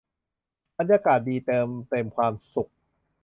บรรยากาศดีเติมเต็มความสุข